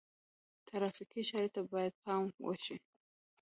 ترافیکي اشارې ته باید پام وشي.